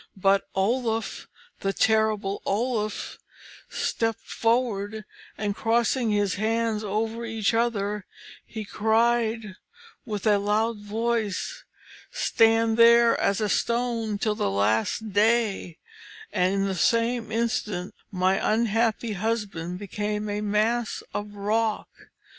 But Oluf, the terrible Oluf, stepped forward, and crossing his hands over each other, he cried with a loud voice, "Stand there as a stone till the last day," and in the same instant my unhappy husband became a mass of rock.